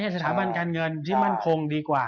สถาบันการเงินที่มั่นคงดีกว่า